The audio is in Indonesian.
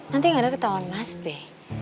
nanti gak ada ketauan mas be